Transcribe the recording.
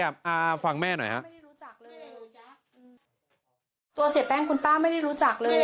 อ่าฟังแม่หน่อยฮะไม่รู้จักเลยตัวเสียแป้งคุณป้าไม่ได้รู้จักเลย